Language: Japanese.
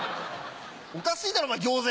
おかしいだろお前餃子